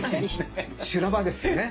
修羅場ですよね。